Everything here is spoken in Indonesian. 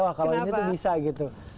wah kalau ini tuh bisa gitu